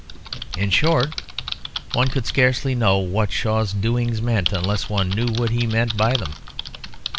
In short, one could scarcely know what Shaw's doings meant unless one knew what he meant by them.